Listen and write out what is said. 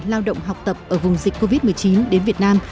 lao động học tập ở vùng dịch covid một mươi chín đến việt nam